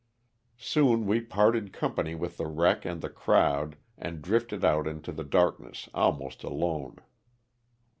Soon we parted company with the wreck and the crowd and drifted out into the darkness almost alone.